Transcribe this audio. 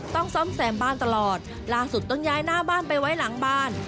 ซ่อมแซมบ้านตลอดล่าสุดต้องย้ายหน้าบ้านไปไว้หลังบ้าน